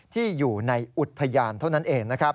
ที่อยู่ในอุทยานเท่านั้นเอง